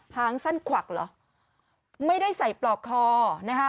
หางสั้นขวักเหรอไม่ได้ใส่ปลอกคอนะคะ